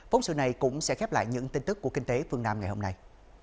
phóng sự này cũng sẽ khép lại những tin tức của kinh tế phương nam ngày hôm nay